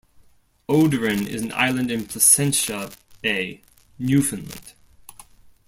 Oderin is an island in Placentia Bay, Newfoundland.